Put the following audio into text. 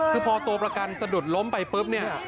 คือพอตัวประกันสะดุดล้มไปปุ๊บเนี่ย